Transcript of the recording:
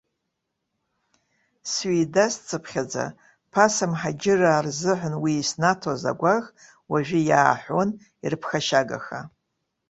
Сҩеидасцыԥхьаӡа, ԥаса амҳаџьыраа рзыҳәан уи иснаҭоз агәаӷ, уажәы иааҳәуан ирԥхашьагаха.